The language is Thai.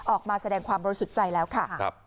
ออกมาแสดงความบริสุทธิ์ใจแล้วค่ะ